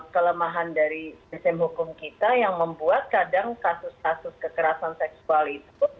kelemahan dari resim hukum kita yang membuat kadang kasus kasus kekerasan seksual itu sulit untuk dieksekusi